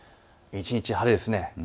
一日晴れです。